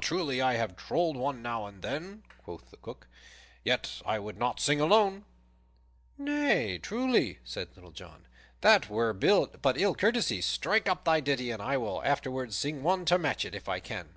"Truly, I have trolled one now and then," quoth the Cook, "yet I would not sing alone." "Nay, truly," said Little John, "that were but ill courtesy. Strike up thy ditty, and I will afterward sing one to match it, if I can.